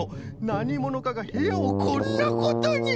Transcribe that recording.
なにものかがへやをこんなことに！